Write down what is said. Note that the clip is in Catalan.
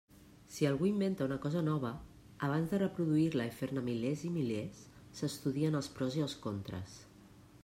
Si algú inventa una cosa nova, abans de reproduir-la i fer-ne milers i milers, s'estudien els pros i els contres.